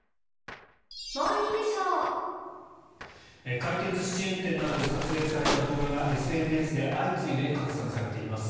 回転寿司チェーン店などで撮影された動画がＳＮＳで相次いで拡散されています。